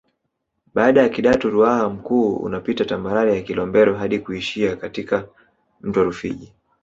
Baada ya Kidatu Ruaha Mkuu unapita tambarare ya Kilombero hadi kuishia katika mto Rufiji